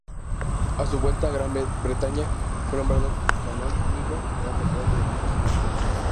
A su vuelta a Gran Bretaña, fue nombrado canónigo de la catedral de Lichfield.